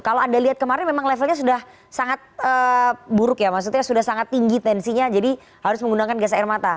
kalau anda lihat kemarin memang levelnya sudah sangat buruk ya maksudnya sudah sangat tinggi tensinya jadi harus menggunakan gas air mata